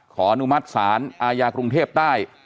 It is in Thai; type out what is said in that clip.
อนุมัติศาลอาญากรุงเทพใต้